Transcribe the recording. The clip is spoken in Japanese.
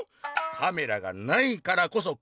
「カメラがないからこそこうつごう！